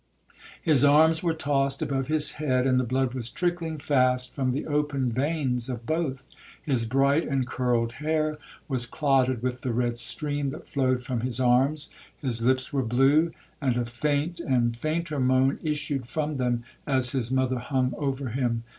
His arms were tossed above his head, and the blood was trickling fast from the opened veins of both,—his bright and curled hair was clotted with the red stream that flowed from his arms,—his lips were blue, and a faint and fainter moan issued from them as his mother hung over him.